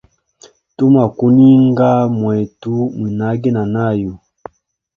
Tumwa kuninga mwetu mwinage na nayu.